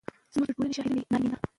زموږ د ټولې شاعرۍ نارينه